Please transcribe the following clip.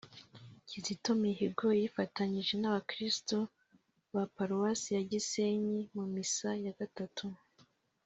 Kizito Mihigo yifatanije n’abakristu ba parowasi ya gisenyi mu missa ya gatatu